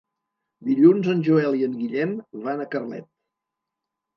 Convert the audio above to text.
Dilluns en Joel i en Guillem van a Carlet.